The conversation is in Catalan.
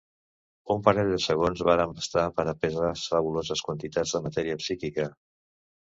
Un parell de segons varen bastar per a pesar fabuloses quantitats de matèria psíquica...